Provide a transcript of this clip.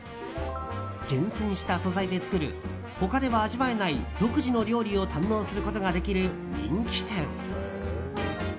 厳選された素材で作る他では味わえない独自の料理を堪能することができる人気店。